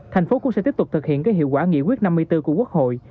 tp cũng sẽ tiếp tục thực hiện các hiệu quả nghị quyết năm mươi bốn của quốc hội